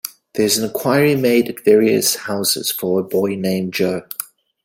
There is inquiry made at various houses for a boy named Jo.